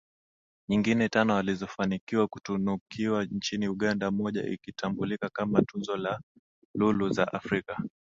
nyingine tano alizofanikiwa kutunukiwa nchini Uganda moja ikitambulika kama Tuzo za lulu za Africa